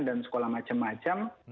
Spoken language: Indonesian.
dan sekolah macem macem